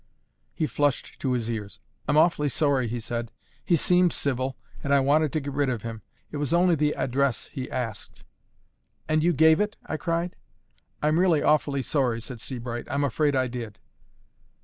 He flushed to his ears. "I'm awfully sorry," he said. "He seemed civil, and I wanted to get rid of him. It was only the address he asked." "And you gave it?" I cried. "I'm really awfully sorry," said Sebright. "I'm afraid I did."